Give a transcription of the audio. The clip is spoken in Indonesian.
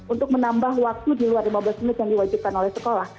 untuk menambah waktu di luar lima belas menit yang diwajibkan oleh sekolah